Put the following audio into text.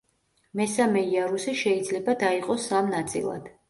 მესამე იარუსი შეიძლება დაიყოს სამ ნაწილად.